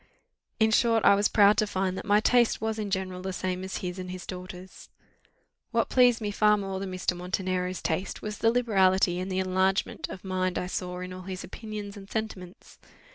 In short, I was proud to find that my taste was in general the same as his and his daughter's. What pleased me far more than Mr. Montenero's taste, was the liberality and the enlargement of mind I saw in all his opinions and sentiments.